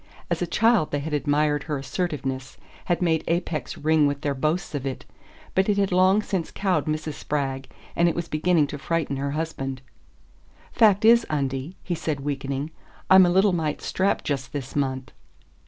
As a child they had admired her assertiveness, had made Apex ring with their boasts of it; but it had long since cowed Mrs. Spragg, and it was beginning to frighten her husband. "Fact is, Undie," he said, weakening, "I'm a little mite strapped just this month."